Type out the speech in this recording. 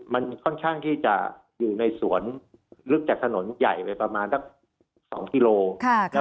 มันค่อนข้างที่จะอยู่ในสวนลึกจากถนนใหญ่ไปประมาณสัก๒กิโล